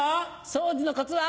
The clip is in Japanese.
掃除のコツは？